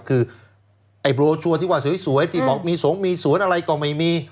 คือไอบรูเวอร์ชัวร์ที่ว่าสวยที่บอกมีสวงมีสวนอะไรก็ไม่มี